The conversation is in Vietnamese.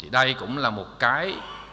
đây cũng là một cái